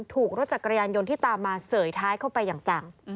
ถูกรถจักรยานยนต์ที่ตามมาเสยท้ายเข้าไปอย่างจัง